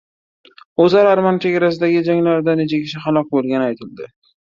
Ozar-arman chegarasidagi janglarda necha kishi halok bo‘lgani aytildi